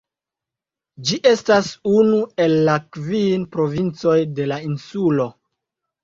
Ĝi estas unu el la kvin provincoj de la insulo.